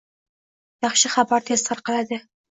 Yaxshi xabar tez tarqaladi